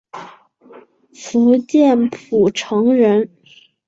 福建浦城人。